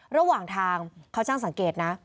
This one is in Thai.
ระหว่างทางเขาช่างสังเกตนะ